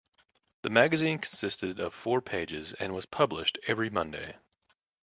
The magazine consisted of four pages and was published every Monday.